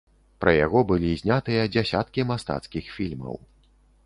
Пра яго былі знятыя дзясяткі мастацкіх фільмаў.